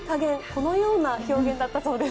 このような表現だったそうです。